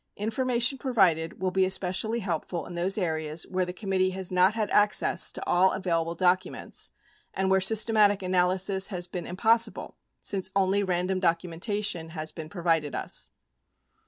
Information provided will be especially helpful in those areas where the committee has not had access to all available documents, and where systematic analysis has been impossible since only random documentation has been provided us.